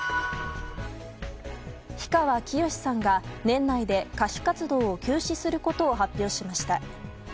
氷川きよしさんが年内で歌手活動を休止することを発表しました。